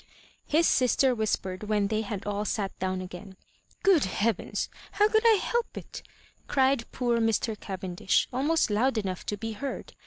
" his sister whispered when they had all sat down again. " Good heavens I how could I help it? " cried poor Mr. Cavendish, almost loud enough to be heard.